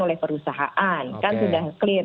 oleh perusahaan kan sudah clear